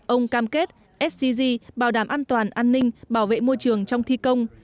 ông cam kết scg bảo đảm an toàn an ninh bảo vệ môi trường trong thi công